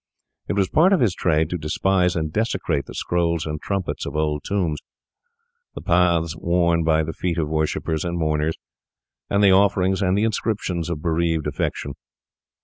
It was part of his trade to despise and desecrate the scrolls and trumpets of old tombs, the paths worn by the feet of worshippers and mourners, and the offerings and the inscriptions of bereaved affection.